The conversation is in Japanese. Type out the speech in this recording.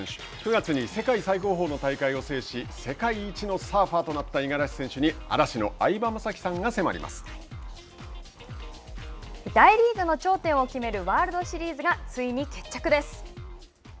９月に世界最高峰の大会を制し世界一のサーファーとなった五十嵐選手に大リーグの頂点を決めるワールドシリーズがついに決着です！